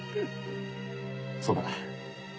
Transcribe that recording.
そうだ。